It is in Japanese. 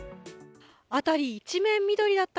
辺り一面緑だった